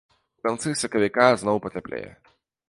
У канцы сакавіка зноў пацяплее.